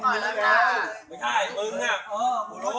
พอแล้วมาเช็ดตาของมอง